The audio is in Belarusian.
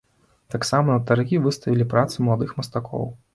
Таксама на таргі выставілі працы маладых мастакоў.